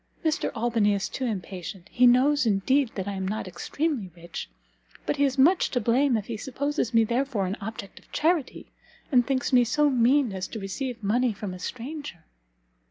Mr Albany is too impatient. He knows, indeed, that I am not extremely rich, but he is much to blame if he supposes me therefore an object of charity, and thinks me so mean as to receive money from a stranger."